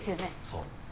そう。